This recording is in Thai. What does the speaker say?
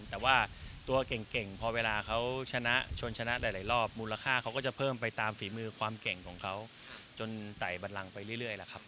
แต่ว่าตัวเก่งพอเวลาเขาชนะชวนชนะหลายรอบมูลค่าเขาก็จะเพิ่มไปตามฝีมือความเก่งของเขาจนไต่บันลังไปเรื่อยแหละครับ